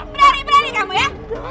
berani berani kamu ya